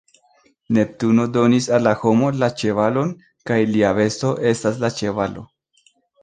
Neptuno donis al la homo la ĉevalon, kaj lia besto estas la ĉevalo.